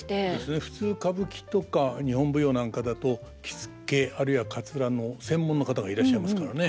普通歌舞伎とか日本舞踊なんかだと着付けあるいはかつらの専門の方がいらっしゃいますからね。